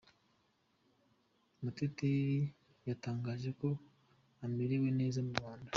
muteteri yatangaje ko amerewe neza mu Rwanda